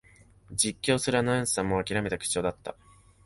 実況するアナウンサーはもうあきらめた口調だった